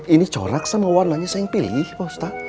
ini corak sama warnanya saya pilih pak ustadz